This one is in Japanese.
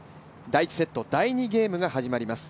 第１セット、第２ゲームが始まります。